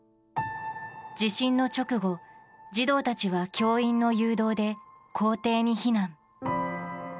地震の直後、児童たちは教員の誘導で校庭に避難。